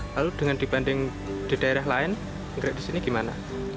lalu dengan dibanding di daerah lain anggrek di sini gimana